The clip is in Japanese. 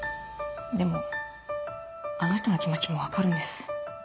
でもあの人の気持ちもわかるんです。